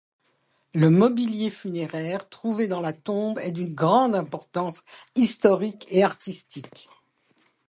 Le mobilier funéraire trouvé dans la tombe est d’une grande importance historique et artistique.